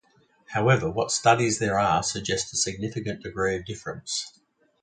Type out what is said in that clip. However, what studies there are suggest a significant degree of difference.